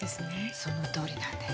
そのとおりなんです。